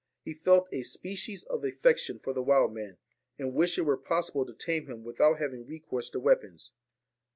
He felt a species of affection for the wild man, and wished it were possible to tame him without having recourse to weapons.